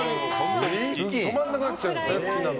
止まんなくなっちゃうんだね。